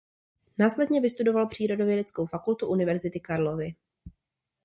Následně vystudoval Přírodovědeckou fakultu Univerzity Karlovy.